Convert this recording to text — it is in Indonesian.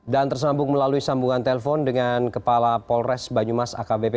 dan tersambung melalui sambungan telepon dengan kepala polres banyumas akb pbb